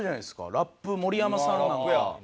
ラップ盛山さんなんか。